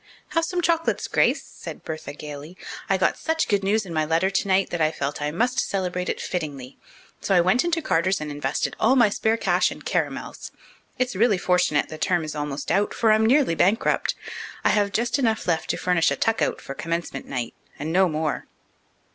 "Have some chocolates, Grace," said Bertha gaily. "I got such good news in my letter tonight that I felt I must celebrate it fittingly. So I went into Carter's and invested all my spare cash in caramels. It's really fortunate the term is almost out, for I'm nearly bankrupt. I have just enough left to furnish a 'tuck out' for commencement night, and no more."